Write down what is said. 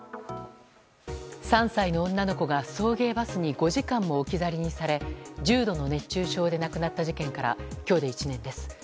３歳の女の子が送迎バスに５時間も置き去りにされ重度の熱中症で亡くなった事件から今日で１年です。